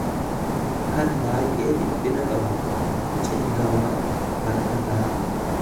kan baay'ee dhiphina qabu, Cingamaa, rakkataaa.